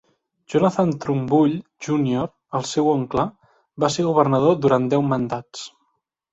Jonathan Trumbull Junior, el seu oncle, va ser governador durant deu mandats.